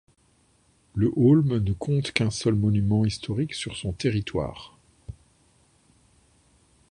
Le Heaulme ne compte qu'un seul monument historique sur son territoire.